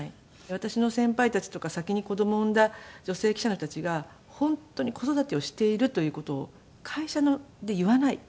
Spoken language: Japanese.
私の先輩たちとか先に子供を産んだ女性記者たちが本当に子育てをしているという事を会社で言わない。